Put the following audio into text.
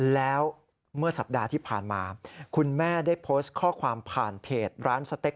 แล้วเมื่อสัปดาห์ที่ผ่านมาคุณแม่ได้โพสต์ข้อความผ่านเพจร้านสเต็ก